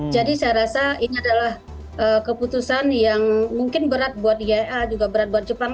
jadi saya rasa ini adalah keputusan yang mungkin berat buat iaea juga berat buat jepang